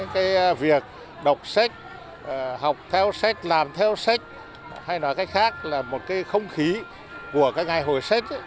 cái việc đọc sách học theo sách làm theo sách hay nói cách khác là một cái không khí của cái ngày hội sách